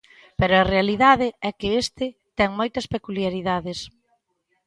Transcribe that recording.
Pero a realidade é que este ten moitas peculiaridades.